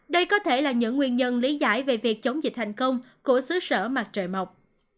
đây có thể là những nguyên nhân lý giải về việc chống dịch thành công của xứ sở mặt trời mọc